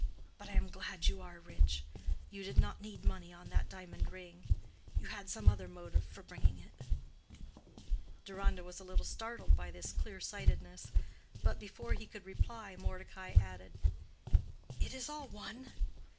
But I am glad you are rich. You did not need money on that diamond ring. You had some other motive for bringing it." Deronda was a little startled by this clear sightedness; but before he could reply Mordecai added—"it is all one.